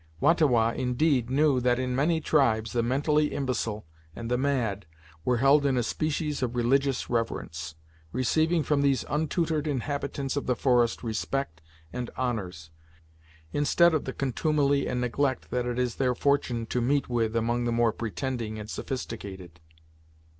Wah ta Wah, indeed, knew that in many tribes the mentally imbecile and the mad were held in a species of religious reverence, receiving from these untutored inhabitants of the forest respect and honors, instead of the contumely and neglect that it is their fortune to meet with among the more pretending and sophisticated.